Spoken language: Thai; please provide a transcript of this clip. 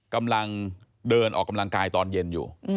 กำลังเดินออกกำลังกายตอนเย็นอยู่